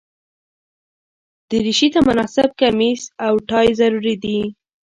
دریشي ته مناسب کمیس او ټای ضروري دي.